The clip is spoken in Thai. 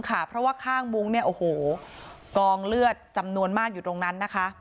เพราะว่าข้างมุ้งกองเลือดจำนวนมากอยู่ตรงนั้น